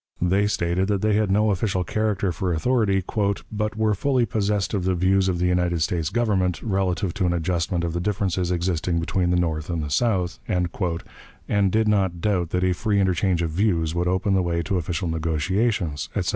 They stated that they had no official character or authority, "but were fully possessed of the views of the United States Government, relative to an adjustment of the differences existing between the North and the South," and did not doubt that a free interchange of views would open the way to official negotiations, etc.